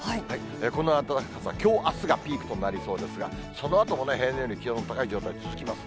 このあとはきょう、あすがピークとなりそうですが、そのあとも平年より気温の高い状態続きます。